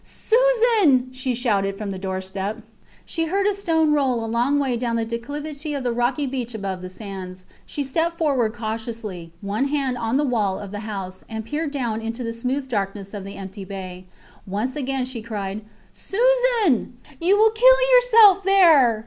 Susan! she shouted from the doorstep. She heard a stone roll a long time down the declivity of the rocky beach above the sands. She stepped forward cautiously, one hand on the wall of the house, and peered down into the smooth darkness of the empty bay. Once again she cried Susan! You will kill yourself there.